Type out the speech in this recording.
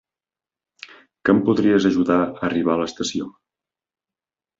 Que em podries ajudar a arribar a l'estació?